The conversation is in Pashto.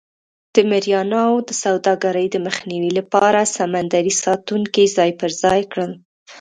د مریانو د سوداګرۍ د مخنیوي لپاره سمندري ساتونکي ځای پر ځای کړل.